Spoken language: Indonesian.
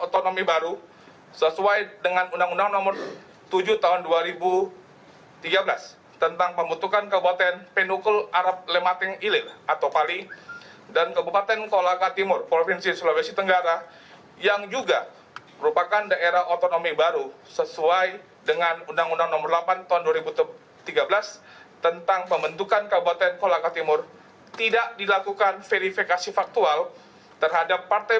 menimbang bahwa pasal lima belas ayat satu pkpu no enam tahun dua ribu delapan belas tentang pendaftaran verifikasi dan pendatapan partai politik peserta pemilihan umum anggota dewan perwakilan rakyat daerah